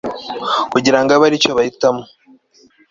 kugira ngo ab ari cyo bahitamo